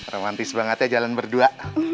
romantis banget ya jalan berdua